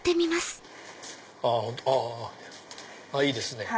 あいいですね